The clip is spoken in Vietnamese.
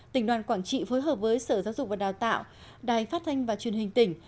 tỉnh đoàn quảng trị phối hợp với sở giáo dục và đào tạo đài phát thanh và truyền hình tỉnh